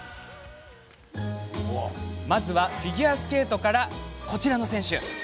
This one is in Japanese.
まずはフィギュアスケートからこちらの選手。